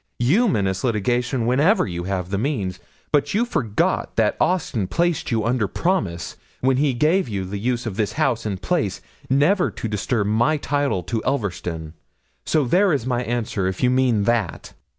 "You menace litigation whenever you have the means; but you forget that Austin placed you under promise, when he gave you the use of this house and place, never to disturb my title to Elverston. So there is my answer, if you mean that."